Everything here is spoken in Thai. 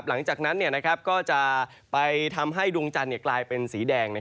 หลังจากนั้นก็จะไปทำให้ดวงจันทร์กลายเป็นสีแดง